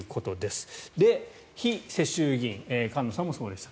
非世襲議員菅野さんもそうでした。